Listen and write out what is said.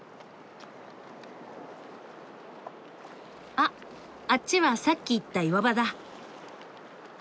あっあっちはさっき行った岩場だ。